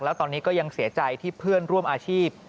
แล้วตอนนี้ก็ยังเสียใจที่เพื่อนร่วมอาชีพ